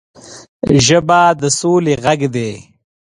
ژبه د سولې غږ دی